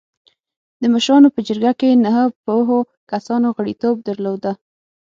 د مشرانو په جرګه کې نهه پوهو کسانو غړیتوب درلوده.